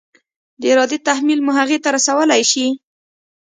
د ارادې تحمیل مو هغې ته رسولی شي؟